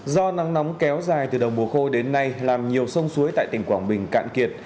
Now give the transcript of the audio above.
do nắng nóng kéo dài từ đầu mùa khô đến nay làm nhiều sông suối tại tỉnh quảng bình cạn kiệt